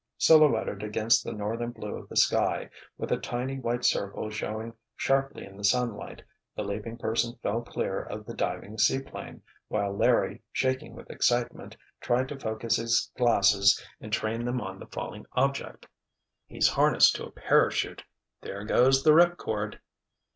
Silhouetted against the northern blue of the sky, with a tiny white circle showing sharply in the sunlight, the leaping person fell clear of the diving seaplane, while Larry, shaking with excitement, tried to focus his glasses and train them on the falling object. "He's harnessed to a parachute—there goes the ripcord!"